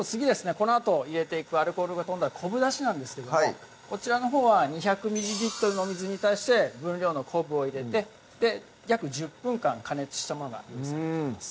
このあと入れていくアルコールが飛んだら昆布だしなんですけどもこちらのほうは２００のお水に対して分量の昆布を入れて約１０分間加熱したものがあります